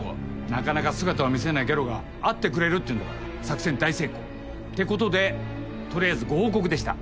なかなか姿を見せないギャロが会ってくれるっていうんだから作戦大成功！ってことで取りあえずご報告でした。